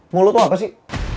mau lo tuh apa sih